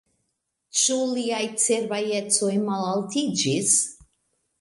Ĉu liaj cerbaj ecoj malaltiĝis?